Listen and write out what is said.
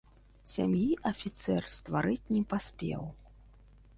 Сям'і афіцэр стварыць не паспеў.